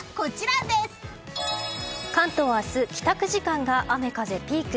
関東、明日帰宅時間が雨風ピーク。